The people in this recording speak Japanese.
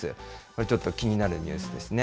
ちょっと気になるニュースですね。